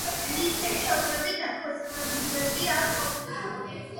მისი მშობლები დაქორწინებულნი არ ყოფილან.